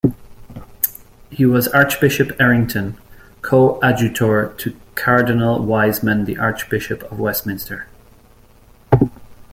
He was Archbishop Errington, Co-Adjutor to Cardinal Wiseman the Archbishop of Westminster.